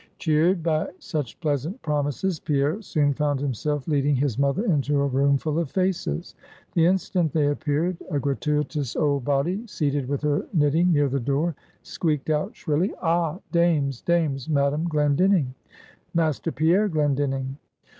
Cheered by such pleasant promises, Pierre soon found himself leading his mother into a room full of faces. The instant they appeared, a gratuitous old body, seated with her knitting near the door, squeaked out shrilly "Ah! dames, dames, Madam Glendinning! Master Pierre Glendinning!"